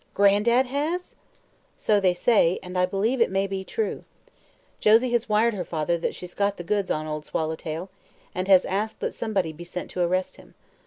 "Gran'dad has?" "So they say, and I believe it may be true. Josie has wired her father that she's got the goods on Old Swallowtail and has asked that somebody be sent to arrest him.